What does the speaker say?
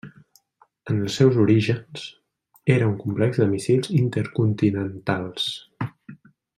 En els seus orígens, era un complex de míssils intercontinentals.